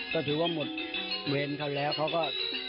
ก็ถือว่าหมดเวรเขาแล้วเขาก็